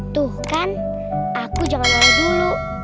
tuh kan aku jangan marah dulu